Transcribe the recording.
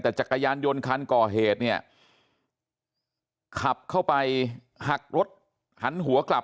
แต่จักรยานยนต์คันก่อเหตุเนี่ยขับเข้าไปหักรถหันหัวกลับ